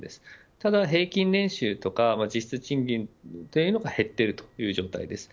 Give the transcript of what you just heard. ただ、平均年収とか実質賃金というのは減っているという状態です。